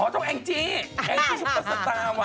ก็แอ้งจี้แอ้งจี้ชุปเปอร์สตาร์วะ